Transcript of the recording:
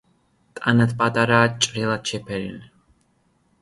ტანად პატარაა, ჭრელად შეფერილი.